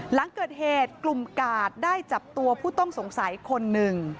หลังเกิดเหตุกลุ่มกาดได้จับตัวผู้ต้องสงสัยคนหนึ่ง